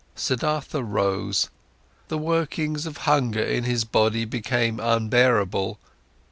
Siddhartha rose, the workings of hunger in his body became unbearable.